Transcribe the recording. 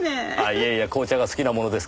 いえいえ紅茶が好きなものですからね。